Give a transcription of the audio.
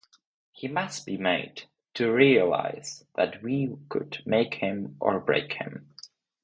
He must be made to realize that we could make him or break him.